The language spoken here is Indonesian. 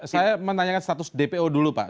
saya mau tanya status dpo dulu pak